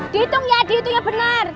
dihitung ya dihitung ya benar